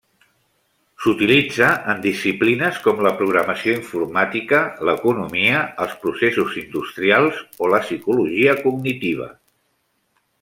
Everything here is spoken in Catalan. S'utilitza en disciplines com la programació informàtica, l'economia, els processos industrials o la psicologia cognitiva.